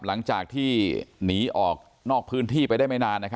หลังจากที่หนีออกนอกพื้นที่ไปได้ไม่นาน